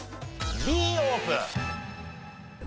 Ｂオープン！